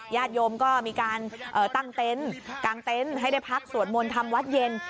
ญาติโยมก็มีการตั้งเต็นต์กางเต็นต์ให้ได้พักสวดมนต์ทำวัดเย็น